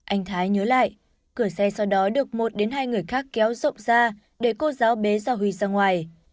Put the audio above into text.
anh thái nhớ lại cửa xe sau đó được một đến hai người khác kéo rộng ra để cô giáo bé ra huy ra ngoài